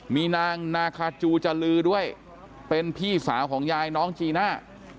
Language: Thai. มีนางนาคาจูจรือด้วยเป็นพี่สาวของยายน้องจีน่า